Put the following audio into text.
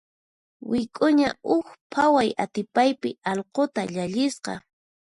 Wik'uña huk phaway atipaypi allquta llallisqa.